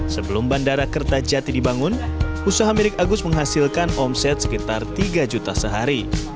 sebelum bandara kertajati dibangun usaha milik agus menghasilkan omset sekitar tiga juta sehari